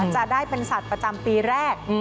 จะได้เป็นสัตว์ประจำปีแรก